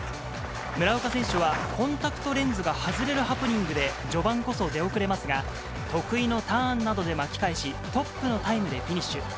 村岡選手は、コンタクトレンズが外れるハプニングで、序盤こそ出遅れますが、得意のターンなどで巻き返し、トップのタイムでフィニッシュ。